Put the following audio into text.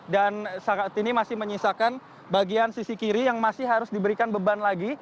dan saat ini masih menyisakan bagian sisi kiri yang masih harus diberikan beban lagi